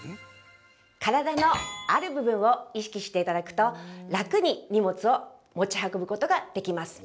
体のある部分を意識していただくと楽に荷物を持ち運ぶことができます。